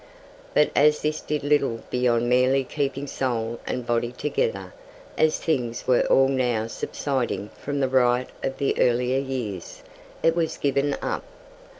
But as this did little beyond merely keeping soul and body together, as things were all now subsiding from the riot of the earlier years, it was given up.